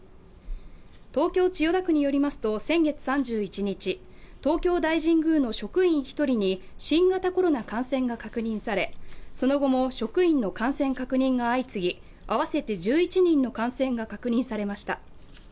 東京・千代田区によりますと先月３１日、東京大神宮の職員１人に新型コロナ感染が確認されその後も職員の感染確認が相次ぎ、合わせて１１人の感染が確認されました。